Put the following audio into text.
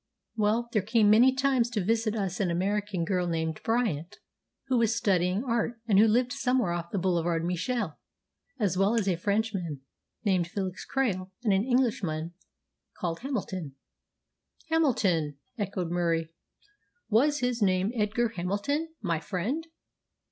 "Well, there came many times to visit us an American girl named Bryant, who was studying art, and who lived somewhere off the Boulevard Michel, as well as a Frenchman named Felix Krail and an Englishman called Hamilton." "Hamilton!" echoed Murie. "Was his name Edgar Hamilton my friend?"